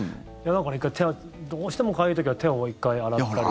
だからどうしてもかゆい時は手を１回洗ったりとか。